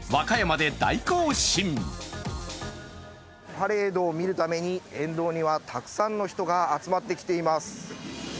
パレードを見るために沿道にはたくさんの人が集まってきています。